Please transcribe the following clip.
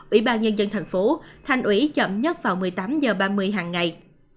ủy ban nhân dân thành phố thành ủy chấm nhất vào một mươi tám h ba mươi hàng ngày